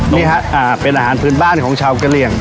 นี่ฮะเป็นอาหารพื้นบ้านของชาวกะเหลี่ยง